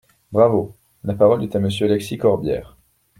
Bravo ! La parole est à Monsieur Alexis Corbière.